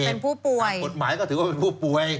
เป็นผู้ป่วยกฎหมายก็ถือว่าเป็นผู้ป่วย